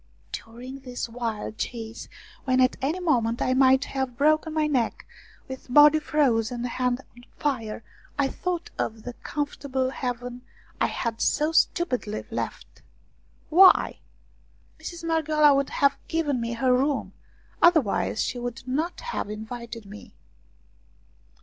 During this wild chase, when at any moment I might have broken my neck, with body frozen and head on fire, I thought of the comfortable haven I had so stupidly left. Why ? Mistress Marghioala would have given me her room, otherwise she would not have invited me.